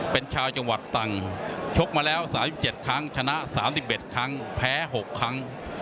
เป็นชาวจังหวัดตังชกมาแล้ว๓๗ครั้งชนะ๓๑ครั้งแพ้๖ครั้ง